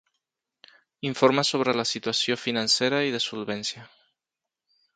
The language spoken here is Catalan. Informe sobre la situació financera i de solvència.